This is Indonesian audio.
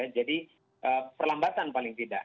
jadi perlambatan paling tidak